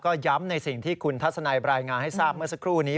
ก็ย้ำในสิ่งที่คุณทัศนัยรายงานให้ทราบเมื่อสักครู่นี้